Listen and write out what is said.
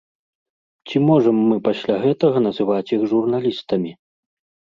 Ці можам мы пасля гэтага называць іх журналістамі?